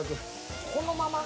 このまま？